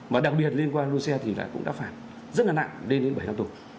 và đặc biệt liên quan đua xe thì cũng đã phạt rất là nặng đến đến bảy năm tù